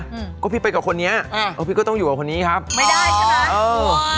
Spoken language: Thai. แล้วคุณพูดกับอันนี้ก็ไม่รู้นะผมว่ามันความเป็นส่วนตัวซึ่งกัน